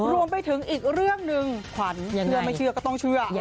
รวมไปถึงอีกเรื่องหนึ่งขวัญเชื่อไม่เชื่อก็ต้องเชื่อ